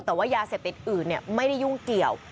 แต่ว่ายาเสพติดอื่นไม่ได้ยุ่งเกี่ยว